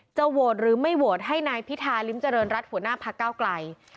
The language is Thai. โหวตหรือไม่โหวตให้นายพิธาริมเจริญรัฐหัวหน้าพักเก้าไกล